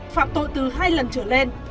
phạm tội từ hai lần trở lên